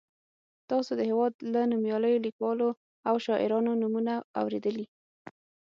تاسو د هېواد له نومیالیو لیکوالو او شاعرانو نومونه اورېدلي.